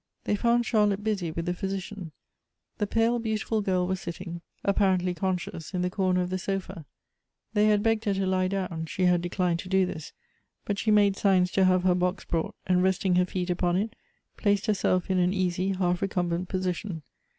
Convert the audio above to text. They found Charlotte busy with the physician. The pale, beautiful girl was sitting, .apparently conscious, in the cornel of the sofa. They had begged her to lie down : she had declined to do this ; but she made signs to have her "box brought, and resting her feet upon it, placed her self in an easy, half recumbent position.